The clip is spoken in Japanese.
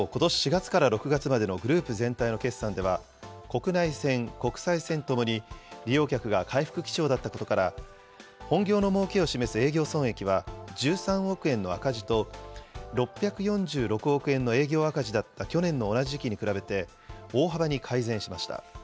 ４月から６月までのグループ全体の決算では、国内線、国際線ともに利用客が回復基調だったことから、本業のもうけを示す営業損益は１３億円の赤字と、６４６億円の営業赤字だった去年の同じ時期に比べて大幅に改善しました。